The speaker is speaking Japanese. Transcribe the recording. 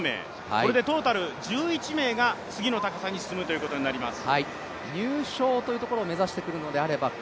これでトータル１１名が次の高さに進むことになります。